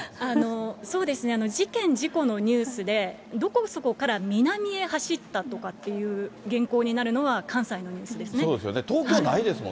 そうですね、事件、事故のニュースで、どこそこから南へ走ったとかっていう原稿になるのは、関西のニュそうですよね、東京ないです